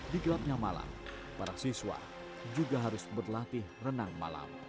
di gelapnya malam para siswa juga harus berlatih renang malam